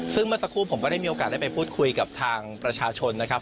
ซึ่งเมื่อสักครู่ผมก็ได้มีโอกาสได้ไปพูดคุยกับทางประชาชนนะครับ